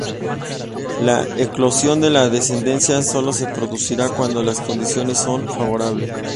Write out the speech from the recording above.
La eclosión de la descendencia sólo se producirá cuando las condiciones son favorables.